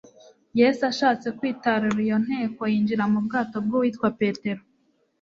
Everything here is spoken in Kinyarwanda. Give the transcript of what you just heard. Yesu ashatse kwitarura iyo nteko, yinjira mu bwato bw'uwitwa Petero,